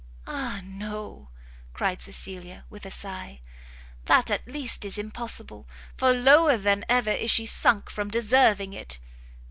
"Ah no!" cried Cecilia, with a sigh, "that, at least, is impossible, for lower than ever is she sunk from deserving it!"